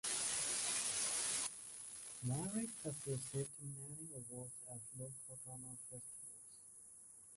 Kumari has received many awards at local drama festivals.